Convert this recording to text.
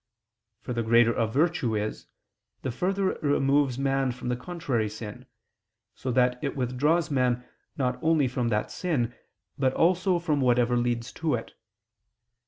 For the greater a virtue is, the further it removes man from the contrary sin, so that it withdraws man not only from that sin, but also from whatever leads to it.